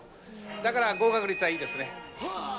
だから合格率はいいですね。